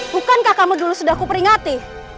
bukankah kamu dulu sudah kuperingati